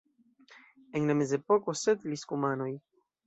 En la mezepoko setlis kumanoj.